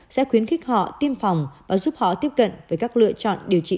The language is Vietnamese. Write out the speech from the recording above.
sẽ khuyến khích họ tiêm phòng và giúp họ tiếp cận với các lựa chọn điều trị